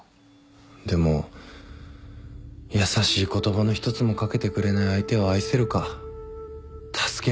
でも優しい言葉の一つも掛けてくれない相手を愛せるか助けられるのかっていうと。